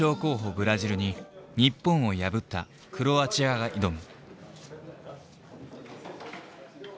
ブラジルに日本を破ったクロアチアが挑む。